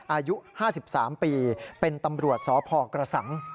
อายุ๕๓ปีเป็นตำรวจสพกระสัง